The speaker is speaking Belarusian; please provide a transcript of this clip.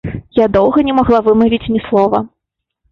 Я доўга не магла вымавіць ні слова.